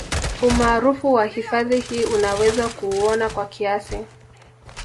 Umaarufu wa hifadhi hii unaweza kuuona kwa kiasi